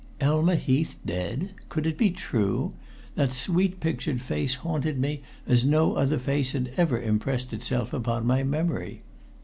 Elma Heath dead! Could it be true? That sweet pictured face haunted me as no other face had ever impressed itself upon my memory.